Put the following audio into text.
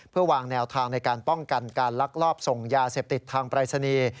เพื่อวางแนวทางในการป้องกันการลักลอบส่งยาเสพติดทางปรายศนีย์